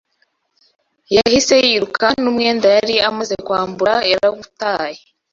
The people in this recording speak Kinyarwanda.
yahise yiruka n’umwenda yari amaze kwambura yarawutaye,